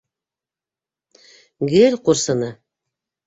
Гел ҡурсыны!